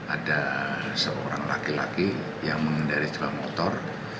ada seorang laki laki yang mengendari dalam motor